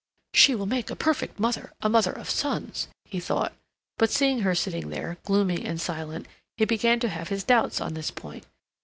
"She will make a perfect mother—a mother of sons," he thought; but seeing her sitting there, gloomy and silent, he began to have his doubts on this point.